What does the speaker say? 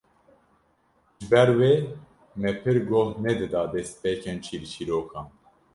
Ji ber wê me pir goh nedida destpêkên çîrçîrokan